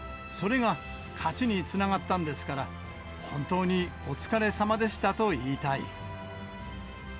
それが勝ちにつながったんですから、本当にお疲れさまでしたと言